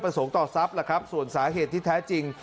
ต่อทรัพย์ล่ะครับส่วนสาเหตุที่แท้จริง